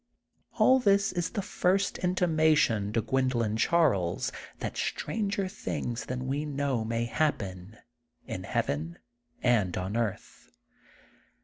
All this is the first intimation to Gwendolyn Charles that stranger things than we know may happen in heaven and on earth.